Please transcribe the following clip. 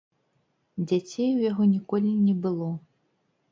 Дзяцей у яго ніколі не было.